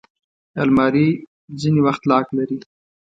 الماري ځینې وخت لاک لري